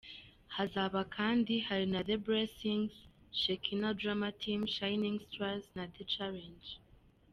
Hazaba kandi hari na The Blessings, Shekinah Drama Team, Shinning Stars na The Challenge.